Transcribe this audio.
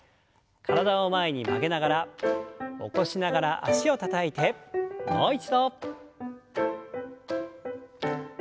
体を前に曲げながら起こしながら脚をたたいてもう一度。